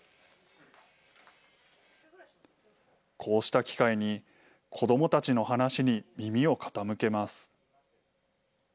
こうした機会に、子どもたちの話に耳を傾けます。